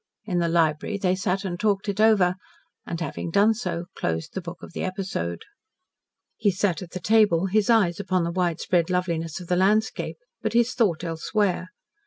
In the library they sat and talked it over, and, having done so, closed the book of the episode. He sat at the table, his eyes upon the wide spread loveliness of the landscape, but his thought elsewhere.